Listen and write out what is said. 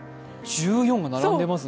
１４が並んでいますね。